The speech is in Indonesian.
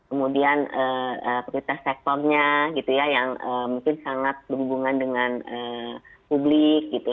kemudian prioritas sektornya gitu ya yang mungkin sangat berhubungan dengan publik gitu